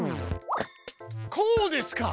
こうですか？